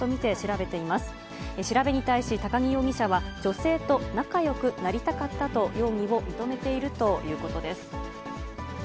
調べに対し、都木容疑者は女性と仲よくなりたかったと容疑を認めているということです。